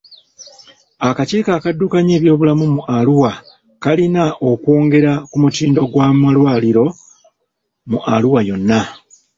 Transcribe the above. Akakiiko akaddukanya ebyobulamu mu Arua kalina okwongera ku mutindo gw'amalwaliro mu Arua yonna.